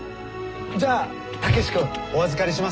じゃあ武志君お預かりします。